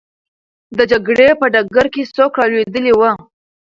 د جګړې په ډګر کې څوک رالوېدلی وو؟